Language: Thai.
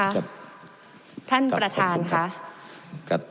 ท่านประธานค่ะ